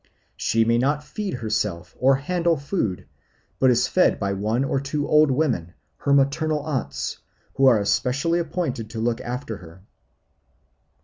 She may not feed herself or handle food, but is fed by one or two old women, her maternal aunts, who are especially appointed to look after her.